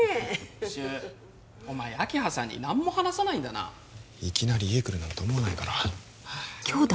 柊お前明葉さんに何も話さないんだないきなり家来るなんて思わないから兄弟！？